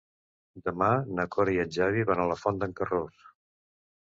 Demà na Cora i en Xavi van a la Font d'en Carròs.